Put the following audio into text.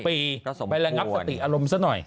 ไประงับสติอารมณ์ซะหน่อย